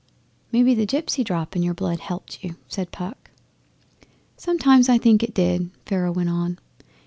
'Maybe the gipsy drop in your blood helped you?' said Puck. 'Sometimes I think it did,' Pharaoh went on.